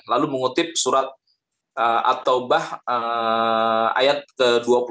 lalu mengutip surat at taubah ayat ke dua puluh sembilan